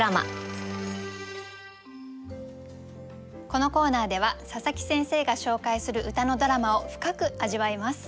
このコーナーでは佐佐木先生が紹介する歌のドラマを深く味わいます。